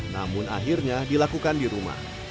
namun akhirnya dilakukan di rumah